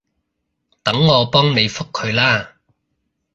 等我幫你覆佢啦